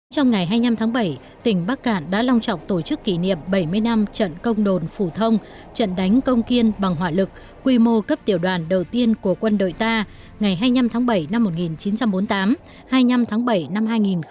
trong ngày hai mươi năm tháng bảy tỉnh bắc cạn đã long trọng tổ chức kỷ niệm bảy mươi năm trận công đồn phủ thông trận đánh công kiên bằng hỏa lực quy mô cấp tiểu đoàn đầu tiên của quân đội ta ngày hai mươi năm tháng bảy năm một nghìn chín trăm bốn mươi tám hai mươi năm tháng bảy năm hai nghìn một mươi chín